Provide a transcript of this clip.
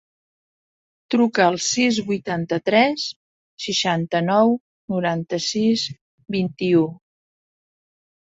Truca al sis, vuitanta-tres, seixanta-nou, noranta-sis, vint-i-u.